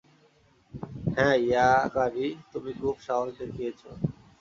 হ্যাঁ ইয়াকারি, তুমি খুব সাহস দেখিয়েছ।